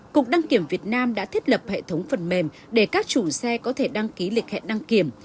cục đăng kiểm việt nam đã thiết lập hệ thống phần mềm để các chủ xe có thể đăng ký lịch hẹn đăng kiểm